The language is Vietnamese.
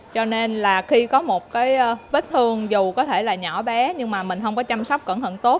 cho nên là khi có một cái vết thương dù có thể là nhỏ bé nhưng mà mình không có chăm sóc cẩn thận tốt